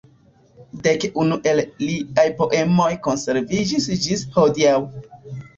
Dek unu el liaj poemoj konserviĝis ĝis hodiaŭ.